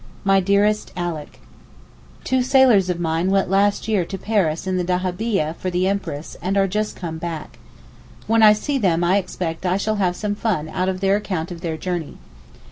MY DEAREST ALICK, Two sailors of mine of last year went to Paris in the dahabieh for the Empress, and are just come back. When I see them I expect I shall have some fun out of their account of their journey.